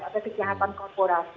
ada kejahatan korporasi